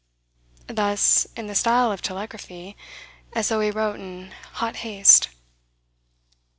Thus, in the style of telegraphy, as though he wrote in hot haste.